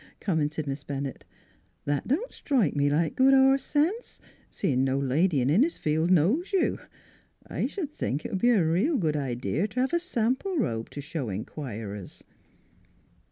commented Miss Bennett. " That don't strike me like good horse sense, seein' no lady in Innisfield knows you. I sh'd think 't would be a reel good idee t' hev a sample robe t' show inquirers."